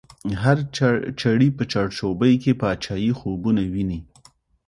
هر چړی په چړ چوبی کی، پاچایی خوبونه وینی